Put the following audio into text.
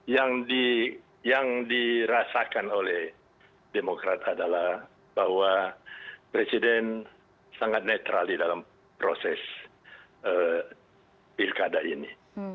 jadi yang dirasakan oleh demokrat adalah bahwa presiden sangat netral di dalam proses pilkada ini